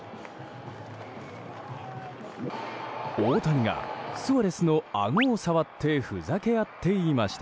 大谷がスアレスのあごを触ってふざけ合っていました。